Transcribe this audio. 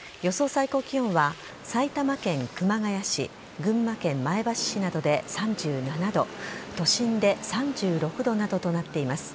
最高気温は、埼玉県熊谷市群馬県前橋市などで３７度都心で３６度などとなっています。